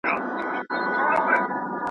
یوه ورځ یې یوه زرکه وه نیولې .